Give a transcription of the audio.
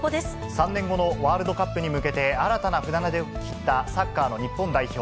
３年後のワールドカップに向けて、新たな船出を切ったサッカーの日本代表。